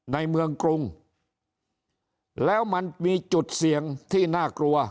ในเมืองกรุงแล้วมันมีจุดเสี่ยงที่น่ากลัว